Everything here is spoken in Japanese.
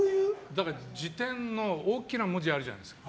辞典の大きな文字があるじゃないですか。